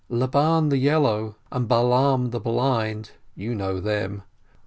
Laban the Yellow and Balaam the Blind (you know them!)